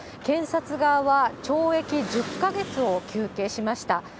検察側は懲役１０か月を求刑しました。